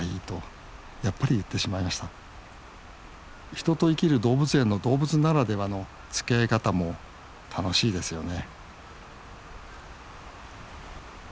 人と生きる動物園の動物ならではのつきあい方も楽しいですよね